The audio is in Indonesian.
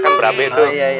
kan berabe tuh